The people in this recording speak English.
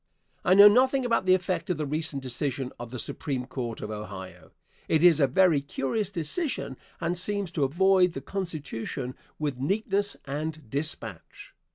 I know nothing about the effect of the recent decision of the Supreme Court of Ohio. It is a very curious decision and seems to avoid the Constitution with neatness and despatch.